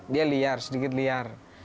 dia liar sedikit liar